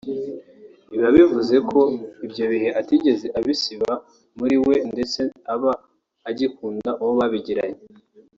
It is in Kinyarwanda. biba bivuze ko ibyo bihe atigeze abisiba muri we ndetse aba agikunda uwo babigiranye